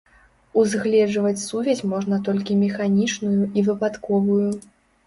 Угледжваць сувязь можна толькі механічную і выпадковую.